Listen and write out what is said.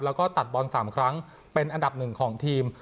แล้วก็ตัดบอล๓ครั้งเป็นอันดับหนึ่งของทีม